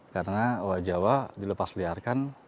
karena owa jawa dilepasliarkan